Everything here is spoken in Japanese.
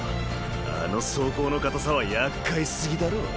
あの装甲の硬さは厄介すぎだろ。